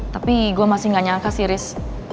tapi gue masih gak nyangka sih ris